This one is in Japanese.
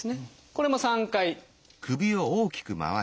これも３回。